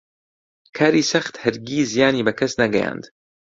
کاری سەخت هەرگیز زیانی بە کەس نەگەیاند.